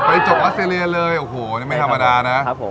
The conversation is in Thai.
จบออสเตรเลียเลยโอ้โหนี่ไม่ธรรมดานะครับผม